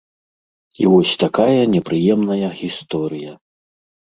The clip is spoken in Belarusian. І вось такая непрыемная гісторыя.